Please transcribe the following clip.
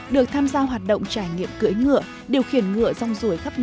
được tham gia hoạt động của các giống ngựa